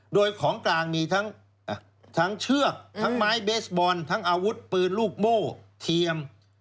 โดยของกลางมีทั้งเชือกทั้งไม้เบสบอลทั้งอาวุธปืนลูกโม่เทียม